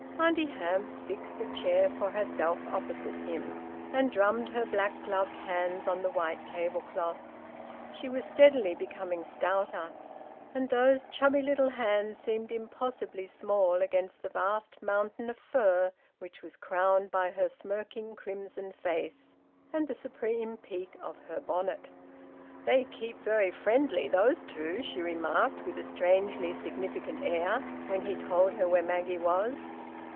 Auntie Hamps fixed a chair for herself opposite him, and drummed her black gloved hands on the white table cloth. She was steadily becoming stouter, and those chubby little hands seemed impossibly small against the vast mountain of fur which was crowned by her smirking crimson face and the supreme peak of her bonnet. "They keep very friendly those two," she remarked, with a strangely significant air, when he told her where Maggie was.